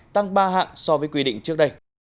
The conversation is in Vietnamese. tăng ba hạng so với quy định trước đây